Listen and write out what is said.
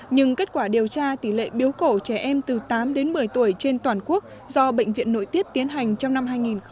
nhưng kết quả điều tra tỷ lệ biếu cổ trẻ em từ tám đến một mươi tuổi trên toàn quốc do bệnh viện nội tiết tiến hành trong năm hai nghìn một mươi tám